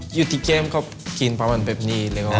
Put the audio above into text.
อยู่ที่เกมก็กินแบบนี้